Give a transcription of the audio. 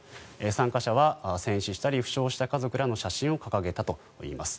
参加者は戦死したり負傷した家族らの写真を掲げたといいます。